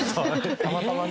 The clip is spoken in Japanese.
たまたまね。